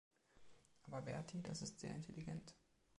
Aber Bertie, das ist sehr intelligent.